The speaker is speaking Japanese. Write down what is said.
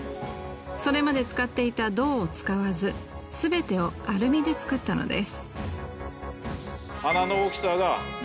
それまで使っていた銅を使わずすべてをアルミで作ったのです。